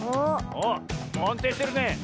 あっあんていしてるね。